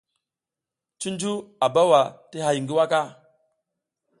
Cunju a bawa ti hay ngi waka.